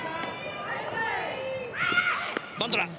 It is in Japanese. バントだ。